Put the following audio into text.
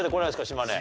島根。